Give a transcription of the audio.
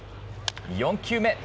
４球目。